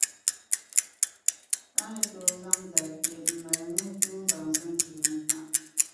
ka ni tooi zaŋ dari kpe m-mali nuhi tuumbaŋsim tuuni kam.